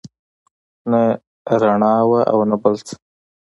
نه رڼا وه او نه بل څه.